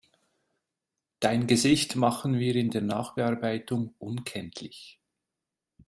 Dein Gesicht machen wir in der Nachbearbeitung unkenntlich.